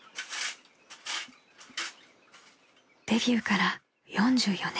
［デビューから４４年］